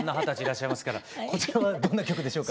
こちらはどんな曲でしょうか？